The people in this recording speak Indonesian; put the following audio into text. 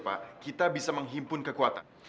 saya lebih juga melikannya di kolom ini